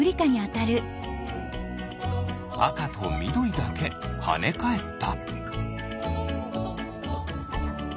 あかとみどりだけはねかえった。